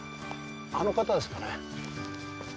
あの方ですかね。